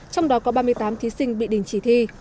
trong đó có ba mươi tám thí sinh bị đình chỉ thi